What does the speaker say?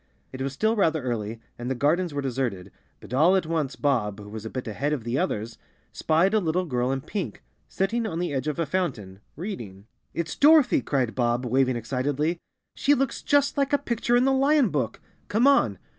It was still rather early and the gardens were deserted, but all at once Bob, who was a bit ahead of the others, spied a little girl in pink, sitting on the edge of a fountain, reading. "It's Dorothy!" cried Bob, waving excitedly. "She looks just like a picture in the lion book! Come on!"